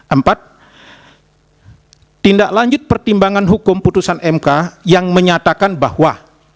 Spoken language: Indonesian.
empat tindak lanjut pertimbangan hukum putusan mk yang menyatakan bahwa